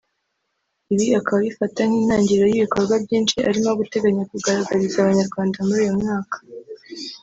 ibi akaba abifata nk’intangiriro y’ibikorwa byinshi arimo guteganya kugaragariza abanyarwanda muri uyu mwaka